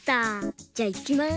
じゃいきます。